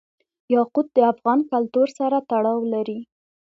یاقوت د افغان کلتور سره تړاو لري.